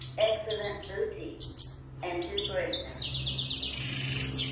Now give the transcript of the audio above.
Excellent booty, and two prisoners!